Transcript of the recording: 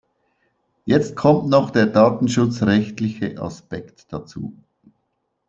Jetzt kommt noch der datenschutzrechtliche Aspekt dazu.